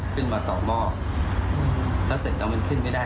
ขึ้นมาต่อหม้อแล้วเสร็จแล้วมันขึ้นไม่ได้